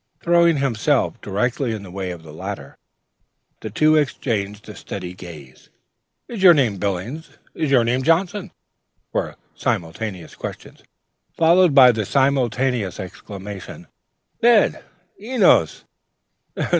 Throwing himself directly in the way of the latter, the two exchanged a steady gaze. "Is your name Billings?" "Is your name Johnson?" were simultaneous questions, followed by the simultaneous exclamations, "Ned!" "Enos!"